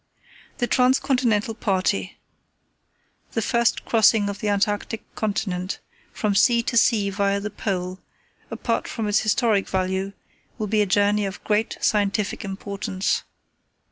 "The Trans continental Party. "The first crossing of the Antarctic continent, from sea to sea via the Pole, apart from its historic value, will be a journey of great scientific importance.